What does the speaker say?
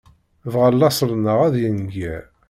Bγan laṣel-nneγ ad yenger.